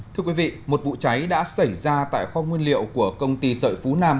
thưa quý vị một vụ cháy đã xảy ra tại kho nguyên liệu của công ty sợi phú nam